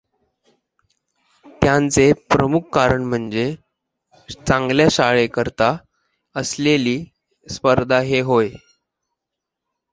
त्याचे प्रमुख कारण म्हणजे चांगल्या शाळाकरिता असेलली स्पर्धा हे होय.